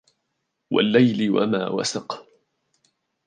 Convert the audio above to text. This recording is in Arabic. والليل وما وسق